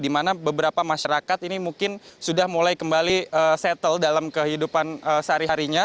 di mana beberapa masyarakat ini mungkin sudah mulai kembali settle dalam kehidupan sehari harinya